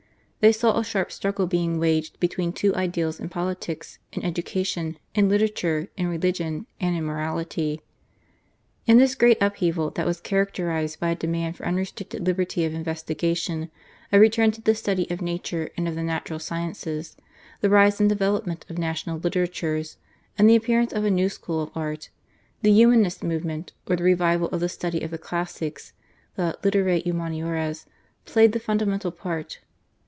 They saw a sharp struggle being waged between two ideals in politics, in education, in literature, in religion, and in morality. In this great upheaval that was characterised by a demand for unrestricted liberty of investigation, a return to the study of nature and of the natural sciences, the rise and development of national literatures, and the appearance of a new school of art, the Humanist movement or the revival of the study of the classics, the /literae humaniores/, played the fundamental part.